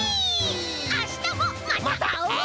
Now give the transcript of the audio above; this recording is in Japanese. あしたもまたあおう！